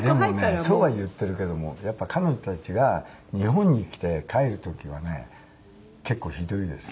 でもねそうは言ってるけどもやっぱり彼女たちが日本に来て帰る時はね結構ひどいです。